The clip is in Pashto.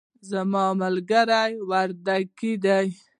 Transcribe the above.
زما ملګری وردګ دی